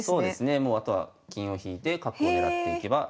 もうあとは金を引いて角を狙っていけばよしと。